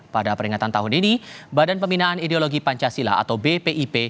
pada peringatan tahun ini badan pembinaan ideologi pancasila atau bpip